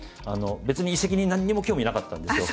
別に遺跡に何にも興味なかったんですよ。